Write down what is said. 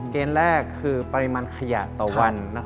เกณฑ์แรกคือปริมาณขยะต่อวัน